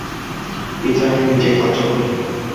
নিসার আলি নিজেই দরজা খুললেন।